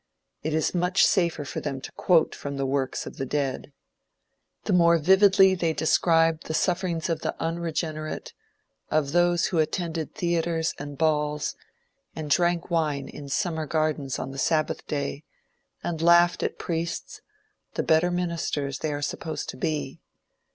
It is much safer for them to quote from the works of the dead. The more vividly they describe the sufferings of the unregenerate, of those who attended theatres and balls, and drank wine in summer gardens on the sabbath day, and laughed at priests, the better ministers they are supposed to be.